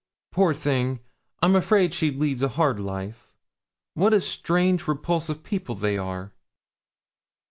'Poor thing! I'm afraid she leads a hard life. What strange, repulsive people they are!'